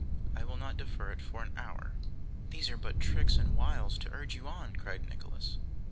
I will not defer it for an hour.' 'These are but tricks and wiles to urge you on,' cried Nicholas.